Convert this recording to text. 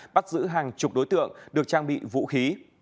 bắt giữ hàng chục đối tượng được trang bị vũ khí